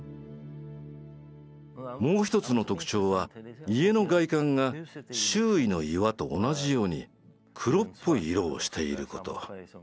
もう一つの特徴は家の外観が周囲の岩と同じように黒っぽい色をしていること。